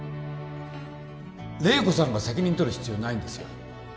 麗子さんが責任取る必要ないんですよ